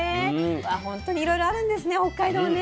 本当にいろいろあるんですね北海道ね。